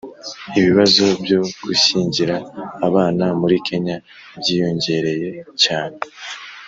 ibibazo byo gushyingira abana muri kenya, byiyongereye cyane